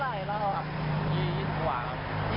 อายุเท่าไหร่เราอ่ะ